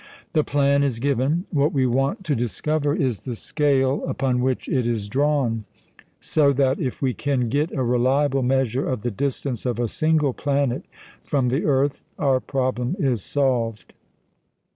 The plan is given; what we want to discover is the scale upon which it is drawn; so that, if we can get a reliable measure of the distance of a single planet from the earth, our problem is solved.